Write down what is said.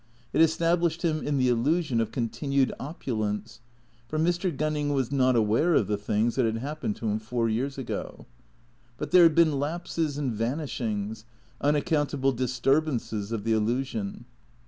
It established him in the illusion of continued opu lence, for Mr. Gunning was not aware of the things that had happened to him four years ago. But there had been lapses and vanishings, unaccountable disturbances of the illusion.